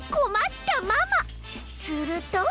すると！